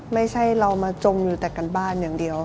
ไม่ใช่เรามาจมอยู่แต่กันบ้านอย่างเดียว